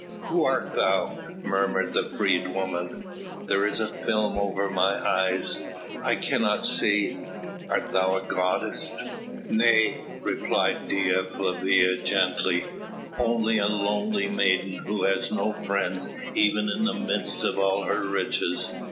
"Who art thou?" murmured the freedwoman; "there is a film over my eyes I cannot see art thou a goddess?" "Nay!" replied Dea Flavia gently, "only a lonely maiden who has no friends e'en in the midst of all her riches.